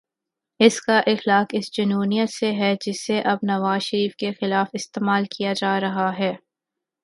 اس کا تعلق اس جنونیت سے ہے، جسے اب نواز شریف کے خلاف استعمال کیا جا رہا ہے۔